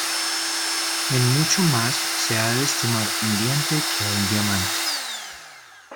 En mucho más se ha de estimar un diente que un diamante.